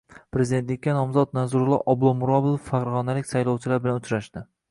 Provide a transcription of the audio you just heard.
Prezidentlikka nomzod Narzullo Oblomurodov farg‘onalik saylovchilar bilan uchrashdi